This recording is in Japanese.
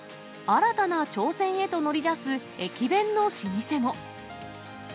新たな挑戦へと乗り出す駅弁の老舗も。